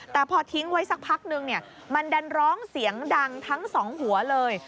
แต่พอทิ้งไว้สักพักนึงมันดันร้องเสียงดังทั้งสองหัวเลย